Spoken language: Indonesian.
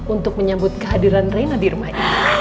untuk menyambut kehadiran rena di rumah ini